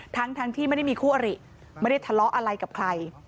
ทั้งที่ไม่ได้มีคู่อริไม่ได้ทะเลาะอะไรกับใคร